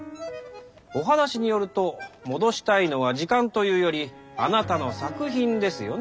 お話によると戻したいのは時間というよりあなたの作品ですよね。